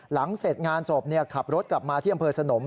หลังเสร็จงานศพขับรถกลับมาที่อำเภอสนม